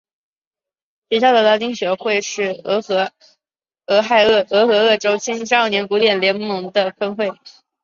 学校的拉丁学会是俄亥俄州青少年古典联盟的分会。